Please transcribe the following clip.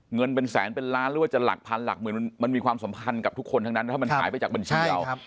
เงินเป็นแสนเป็นล้านหรือว่าจะหลักพันหลักหมื่นมันมีความสัมพันธ์กับทุกคนทั้งนั้นถ้ามันหายไปจากบัญชีเรา